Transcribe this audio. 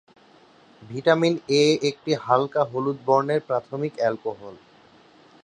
Vitamin A একটি হালকা হলুদ বর্ণের প্রাথমিক অ্যালকোহল।